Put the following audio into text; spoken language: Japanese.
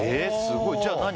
すごいじゃあ何？